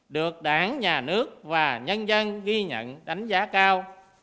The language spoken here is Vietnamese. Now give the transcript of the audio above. được đảng nhà nước và nhân dân ghi nhận đánh giá cao